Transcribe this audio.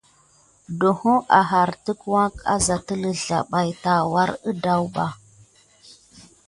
Ɗohô áháre wuka à sa telu zlabaki nakure gedar kuba.